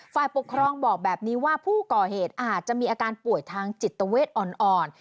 ฝ่ายปกครองบอกแบบนี้ว่าผู้ก่อเหตุอาจจะมีอาการป่วยทางจิตเวทอ่อน